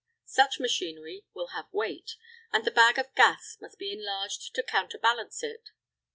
Such machinery will have weight, and the bag of gas must be enlarged to counterbalance it.